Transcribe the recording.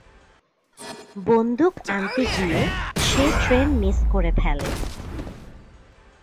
বন্দুক আনতে গিয়ে সে ট্রেন মিস করে ফেলে।